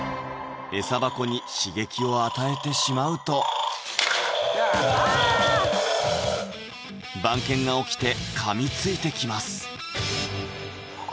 エサ箱に刺激を与えてしまうと番犬が起きてかみついてきます